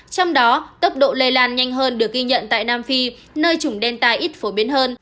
trong đó tốc độ lây lan nhanh hơn được ghi nhận tại nam phi nơi chủng đen tai ít phổ biến hơn